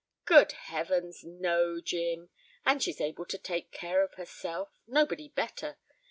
"Good Heavens no, Jim! And she's able to take care of herself. Nobody better.